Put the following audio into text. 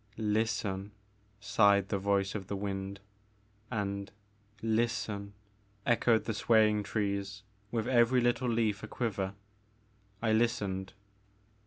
Listen," sighed the voice of the wind, and listen'* echoed the swaying trees with every little leaf a quiver. I listened.